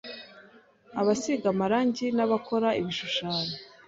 Abasiga amarangi n’abakora ibishushanyo